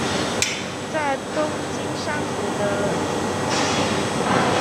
在东京山谷的宿民街。